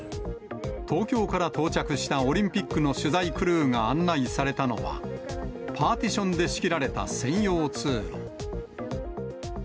東京から到着したオリンピックの取材クルーが案内されたのは、パーティションで仕切られた専用通路。